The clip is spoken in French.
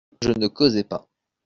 Je ne causais pas.